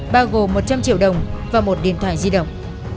bao gồm một trăm linh triệu đồng và một điện thoại di động